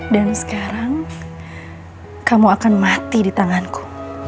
dan sekarang kamu akan mati di tanganku